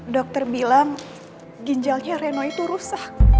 dokter bilang ginjalnya reno itu rusak